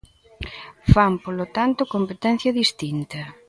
Fan, polo tanto, competencia distinta.